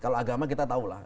kalau agama kita tahu lah